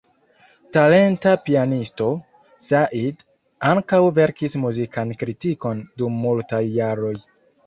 Talenta pianisto, Said ankaŭ verkis muzikan kritikon dum multaj jaroj.